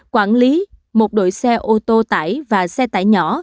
quản lý một đội xe ô tô tải và xe tải nhỏ